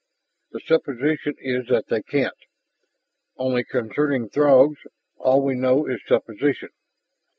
"The supposition is that they can't. Only, concerning Throgs, all we know is supposition.